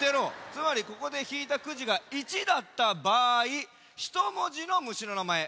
つまりここでひいたくじが１だったばあいひと文字の虫のなまえ。